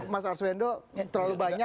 mas arswendo terlalu banyak